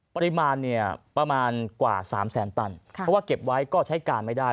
ปริมาณเนี่ยประมาณกว่า๓แสนตันเพราะว่าเก็บไว้ก็ใช้การไม่ได้